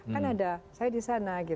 kan ada saya disana gitu